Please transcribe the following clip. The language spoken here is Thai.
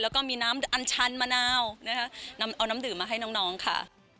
แล้วก็มีน้ำอันชันมะนาวนะคะนำเอาน้ำดื่มมาให้น้องค่ะ